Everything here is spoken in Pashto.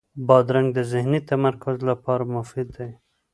بادرنګ د ذهني تمرکز لپاره مفید دی.